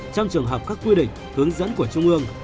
trong trường hợp các quy định hướng dẫn của trung ương